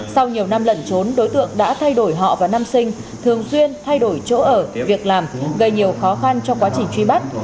sau nhiều năm lẩn trốn đối tượng đã thay đổi họ vào năm sinh thường xuyên thay đổi chỗ ở việc làm gây nhiều khó khăn trong quá trình truy bắt